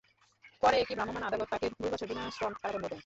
পরে একই ভ্রাম্যমাণ আদালত তাঁকে দুই বছর বিনা শ্রম কারাদণ্ড দেন।